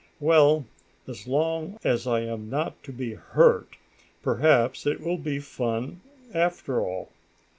Well, as long as I am not to be hurt, perhaps it will be fun after all.